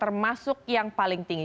termasuk yang paling tinggi